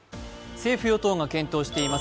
政府与党が検討しています